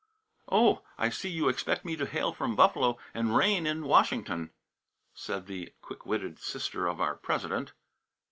"Oh, I see you expect me to hail from Buffalo and reign in Washington," said the quick witted sister of our President.